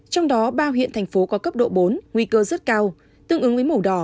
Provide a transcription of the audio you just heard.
trong đó ba huyện thành phố có cấp độ bốn nguy cơ rất cao tương ứng với màu đỏ